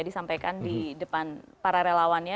disampaikan di depan para relawannya